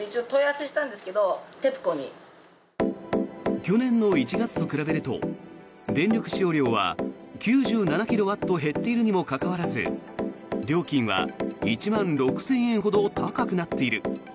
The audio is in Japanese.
去年の１月と比べると電力使用量は９７キロワット減っているにもかかわらず料金は１万６０００円ほど高くなっている。